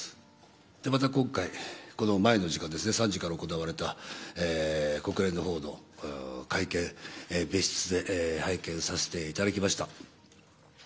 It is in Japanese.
また今回、この前の時間３時から行われた国連のほうの会見を別室で拝見させていただきました。